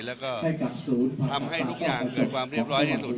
แล้วก็ทำให้ทุกอย่างเกิดความเรียบร้อยที่สุด